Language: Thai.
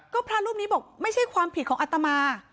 ก็พระรูปนี้บอกไม่ใช่ความผิดของอัตมา